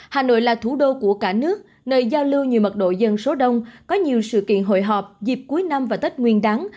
hà nội là thủ đô của cả nước nơi giao lưu nhiều mật độ dân số đông có nhiều sự kiện hội họp dịp cuối năm và tết nguyên đáng